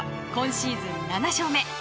今シーズン７勝目。